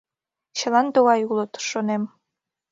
Чылан тугай улыт, шонем.